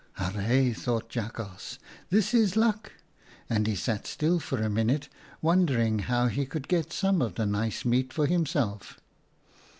"'Arr6!' thought Jakhals, 'this is luck,' and he sat still for a minute, wondering how he could get some of the nice meat for him self.